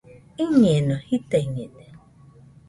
Iñeno.jitaiñede